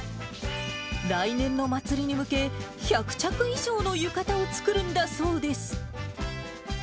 来年の祭りに向け、１００着以上の浴衣を作るんだそうです。